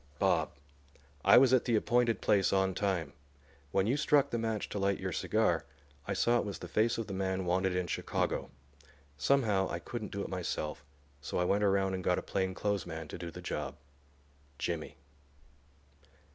_Bob: I was at the appointed place on time. When you struck the match to light your cigar I saw it was the face of the man wanted in Chicago. Somehow I couldn't do it myself, so I went around and got a plain clothes man to do the job. JIMMY.